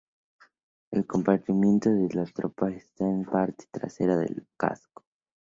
El compartimiento de la tropa está en la parte trasera del casco.